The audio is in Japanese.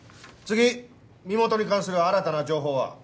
次身元に関する新たな情報は？